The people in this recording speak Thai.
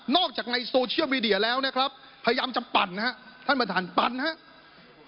จากในโซเชียลมีเดียแล้วนะครับพยายามจะปั่นนะครับท่านประธานปั่นครับ